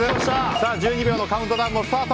１２秒のカウントダウンもスタート。